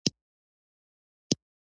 دا کوچنی هیڅ خوراک نه کوي.